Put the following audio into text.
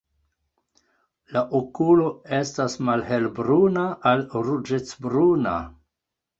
La okulo estas malhelbruna al ruĝecbruna.